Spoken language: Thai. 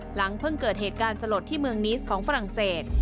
หลังเพิ่งเกิดเหตุการณ์สลดที่เมืองนิสของฝรั่งเศส